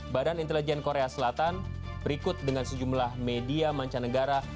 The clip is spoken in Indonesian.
badan intelijen korea selatan berikut dengan sejumlah media mancanegara